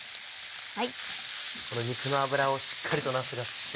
この肉の脂をしっかりとなすが吸って。